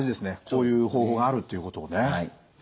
こういう方法があるっていうことをね。